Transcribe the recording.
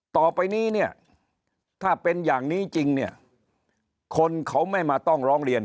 ต่อไปนี้เนี่ยถ้าเป็นอย่างนี้จริงเนี่ยคนเขาไม่มาต้องร้องเรียน